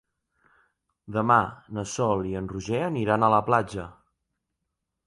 Demà na Sol i en Roger aniran a la platja.